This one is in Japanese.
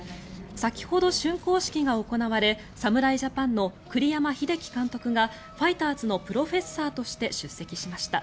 先ほど、しゅん工式が行われ侍ジャパンの栗山英樹監督がファイターズのプロフェッサーとして出席しました。